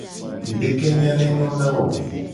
Ngudekenye a ne nyo na wo.